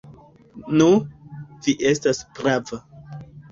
Nu, vi estas prava.